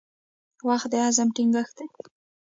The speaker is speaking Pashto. • وخت د عزم ټینګښت دی.